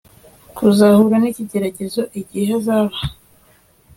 bazahura nikigeragezo igihe bazaba